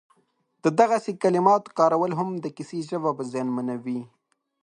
د دغسې کلماتو کارول هم د کیسې ژبه زیانمنوي